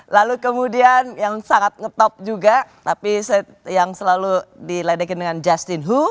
lalu kemudian yang sangat ngetop juga tapi yang selalu diledekin dengan justin hu